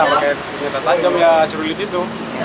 pakai senjata tajam ya cerulit itu